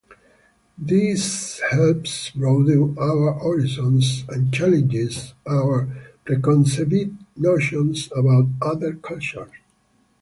This helps broaden our horizons and challenges our preconceived notions about other cultures.